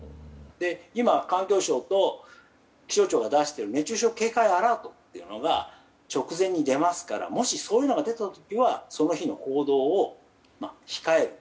今、環境省と気象庁が出している熱中症警戒アラートというものが直前に出ますからもし、そういうのが出た時はその日の行動を控える。